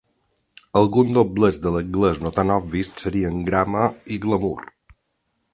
Alguns doblets de l'anglès no tan obvis serien "grammar" i "glamour".